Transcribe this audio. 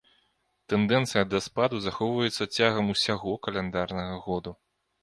Тэндэнцыя да спаду захоўваецца цягам усяго каляндарнага году.